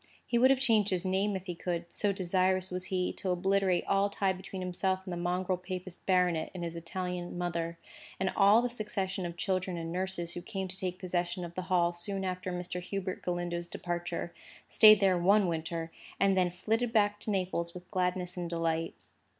He would have changed his name if he could, so desirous was he to obliterate all tie between himself and the mongrel papist baronet and his Italian mother, and all the succession of children and nurses who came to take possession of the Hall soon after Mr. Hubert Galindo's departure, stayed there one winter, and then flitted back to Naples with gladness and delight.